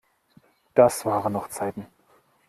Das waren noch Zeiten!